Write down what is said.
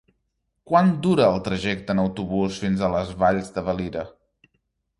Quant dura el trajecte en autobús fins a les Valls de Valira?